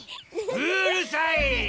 うるさい！